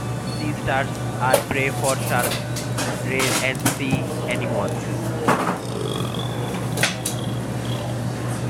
Sea stars are prey for sharks, rays, and sea anemones.